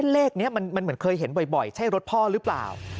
เลขนี้มันเหมือนเคยเห็นบ่อยใช่รถพ่อหรือเปล่า